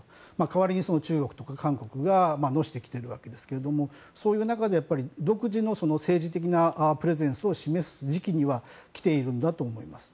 代わりに中国とか韓国がのしてきているわけですけどもそういう中で独自の政治的なプレゼンスを示す時期には来ているんだと思います。